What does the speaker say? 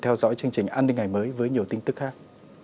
theo dõi chương trình an ninh ngày mới với nhiều tin tức khác